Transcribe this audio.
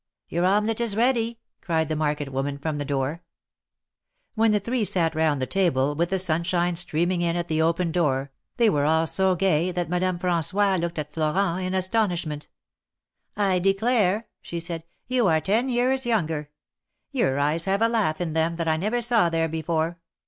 ''Your omelette is ready!'' cried the market woman, from the door. When the three sat round the table, with the sunshine streaming in at the open door, they were all so gay that Madame Fran9ois looked at Florent in astonishment. "I declare I ''she said. "You are ten years younger. Your eyes have a laugh in them that I never saw there before.